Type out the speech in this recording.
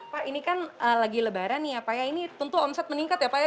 pak ini kan lagi lebaran nih ya pak ya ini tentu omset meningkat ya pak ya